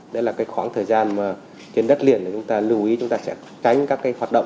đó là khoảng thời gian trên đất liền chúng ta lưu ý chúng ta sẽ tránh các hoạt động